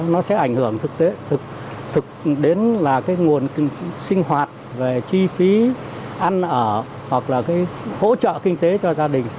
nó sẽ ảnh hưởng thực tế thực đến là cái nguồn sinh hoạt về chi phí ăn ở hoặc là cái hỗ trợ kinh tế cho gia đình